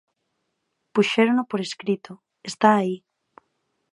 Puxérono por escrito, está aí.